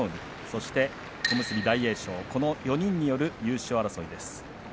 そして小結大栄翔とこの４人による優勝争いです。